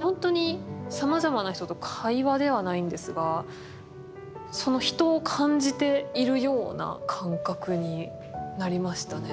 ほんとにさまざまな人と会話ではないんですがその人を感じているような感覚になりましたね。